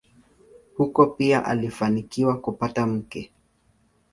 Huko pia alifanikiwa kupata mke.